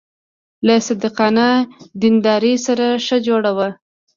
له صادقانه دیندارۍ سره ښه جوړ و.